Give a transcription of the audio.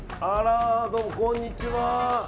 どうもこんにちは。